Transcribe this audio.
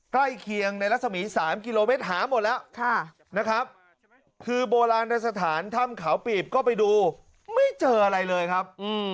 ใกล้เคียงในรัศมี๓กิโลเมตรหาหมดแล้วนะครับคือโบราณสถานถ้ำเขาปีบก็ไปดูไม่เจออะไรเลยครับ